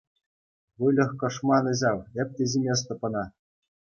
Выльӑх кӑшманӗ ҫав! Эп те ҫиместӗп ӑна!